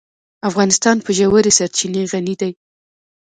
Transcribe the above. افغانستان په ژورې سرچینې غني دی.